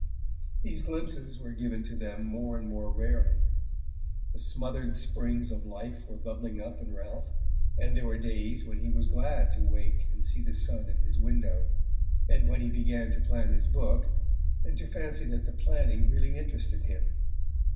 These glimpses were given to them more and more rarely. The smothered springs of life were bubbling up in Ralph, and there were days when he was glad to wake and see the sun in his window, and when he began to plan his book, and to fancy that the planning really interested him.